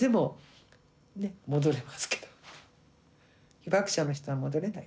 被爆者の人は戻れない。